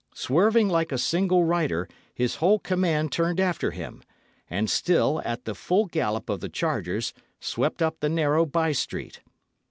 Swerving like a single rider, his whole command turned after him, and, still at the full gallop of the chargers, swept up the narrow bye street.